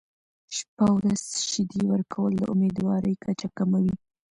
شپه او ورځ شیدې ورکول د امیندوارۍ کچه کموي.